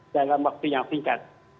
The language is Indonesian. dalam waktu yang singkat